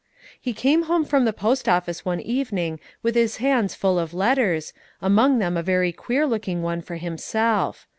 He came home from the post office one evening with his hands full of letters, among them a very queer looking one for himself.